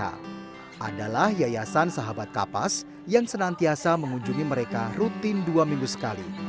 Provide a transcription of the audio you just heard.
adalah yayasan sahabat kapas yang senantiasa mengunjungi mereka rutin dua minggu sekali